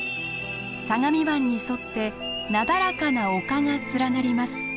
相模湾に沿ってなだらかな丘が連なります。